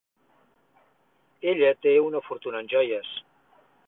Ella té una fortuna en joies.